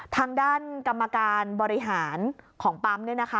ทางด้านกรรมการบริหารของปั๊มเนี่ยนะคะ